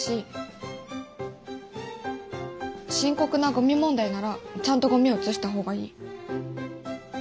深刻なゴミ問題ならちゃんとゴミを写した方がいい。